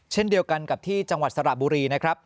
เช่นเดียวกันกับที่จังหวัดสระบุรีนะครับ